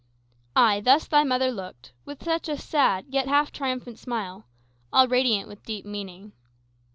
"Ay, thus thy mother looked, With such a sad, yet half triumphant smile. All radiant with deep meaning."